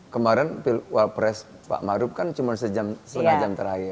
kemaren pilpres pak maruf kan cuma sejam setengah jam terakhir